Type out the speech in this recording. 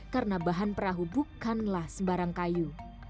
karena bahan perahu bukanlah sembarang kayu